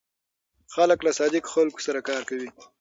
خلک له صادقو خلکو سره کار کوي.